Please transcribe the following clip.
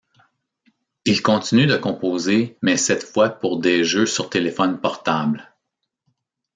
Il continue de composer, mais cette fois pour des jeux sur téléphone portable.